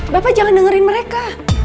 bapak jangan dengerin mereka